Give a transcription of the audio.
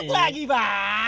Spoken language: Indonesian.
satu lagi pak